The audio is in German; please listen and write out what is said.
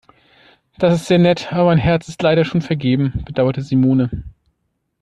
Das ist sehr nett, aber mein Herz ist leider schon vergeben, bedauerte Simone.